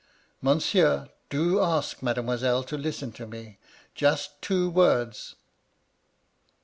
^^* Monsieur, do ask Mademoiselle to listen to me, — just two words